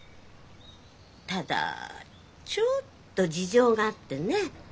ただちょっと事情があってね。